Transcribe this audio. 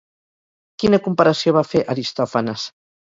Quina comparació va fer Aristòfanes?